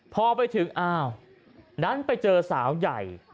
พอไปถึงอ้าวนั้นไปเจอสาวใหญ่